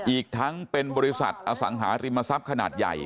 อีกทั้งเป็นบริษัทอสังหาริมทรัพย์ขนาดใหญ่